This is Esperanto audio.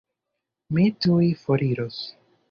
Mi tuj foriros.